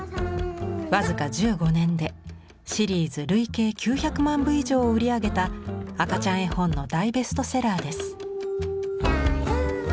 僅か１５年でシリーズ累計９００万部以上を売り上げた赤ちゃん絵本の大ベストセラーです。